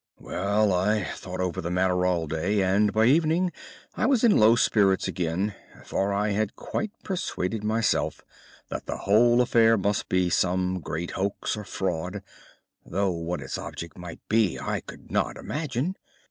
"Well, I thought over the matter all day, and by evening I was in low spirits again; for I had quite persuaded myself that the whole affair must be some great hoax or fraud, though what its object might be I could not imagine.